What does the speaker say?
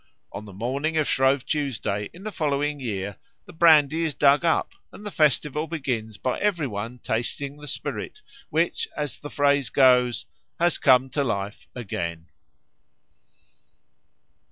On the morning of Shrove Tuesday in the following year the brandy is dug up and the festival begins by every one tasting the spirit which, as the phrase goes, has come to life again.